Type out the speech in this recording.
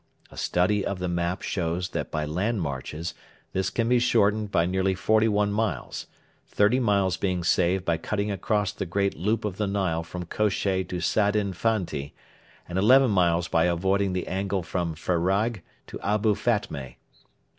A study of the map shows that by land marches this can be shortened by nearly forty one miles; thirty miles being saved by cutting across the great loop of the Nile from Kosheh to Sadin Fanti, and eleven miles by avoiding the angle from Fereig to Abu Fatmeh.